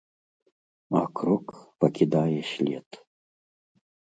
А крок пакідае след.